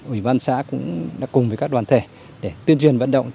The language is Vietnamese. ủy ban xã cũng đã cùng với các đoàn thể để tuyên truyền vận động